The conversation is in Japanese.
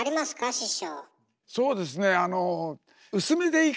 師匠。